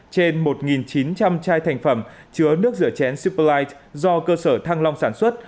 trên một chín trăm linh chai thành phẩm chứa nước rửa chén superlie do cơ sở thăng long sản xuất